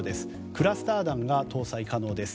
クラスター弾も搭載可能です。